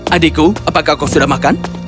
adikku apakah kau sudah makan